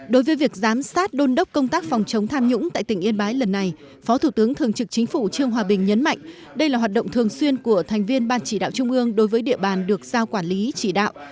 đối với việc giám sát đôn đốc công tác phòng chống tham nhũng tại tỉnh yên bái lần này phó thủ tướng thường trực chính phủ trương hòa bình nhấn mạnh đây là hoạt động thường xuyên của thành viên ban chỉ đạo trung ương đối với địa bàn được giao quản lý chỉ đạo